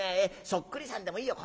そっくりさんでもいいよ。